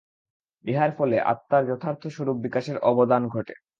ইহার ফলে আত্মার যথার্থ স্বরূপ-বিকাশের অবকাশ ঘটে।